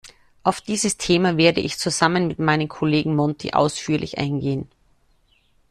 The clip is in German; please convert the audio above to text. Auf dieses Thema werde ich zusammen mit meinem Kollegen Monti ausführlich eingehen.